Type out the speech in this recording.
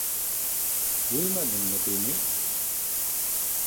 Duymadın mı beni?